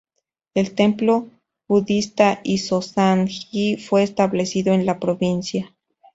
El templo budista Hisosan-ji fue establecido en la provincia.